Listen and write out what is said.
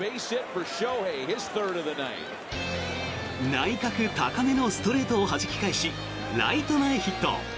内角高めのストレートをはじき返し、ライト前ヒット。